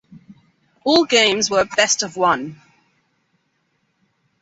All games were best-of-one.